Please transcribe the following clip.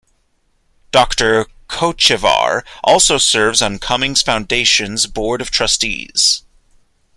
Doctor Kochevar also serves on Cummings Foundation's board of trustees.